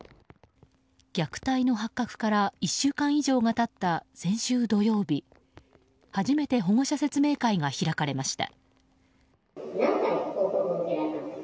虐待の発覚から１週間以上が経った先週土曜日初めて保護者説明会が開かれました。